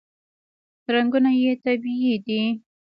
رنګونه یې طبیعي دي.